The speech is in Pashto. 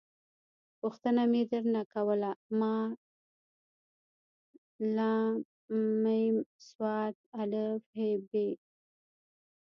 پوښتنه مې در نه کوله ما …ل …م ص … ا .. ح… ب.